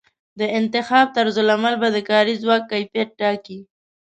د انتخاب طرزالعمل به د کاري ځواک کیفیت ټاکي.